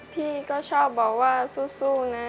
พี่ก็ชอบบอกว่าสู้นะ